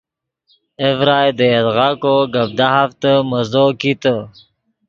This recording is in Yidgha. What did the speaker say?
اے ڤرائی دے یدغا کو گپ دہافتے مزو کیتے